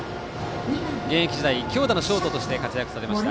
現役時代、強打のショートとして活躍されました